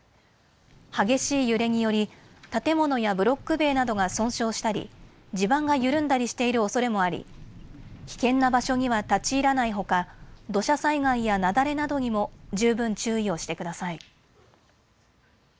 激しい揺れにより建物やブロック塀などが損傷したり、地盤が緩んだりしているおそれもあり危険な場所には立ち入らないほか土砂災害や雪崩などにも十分、注意をしてください。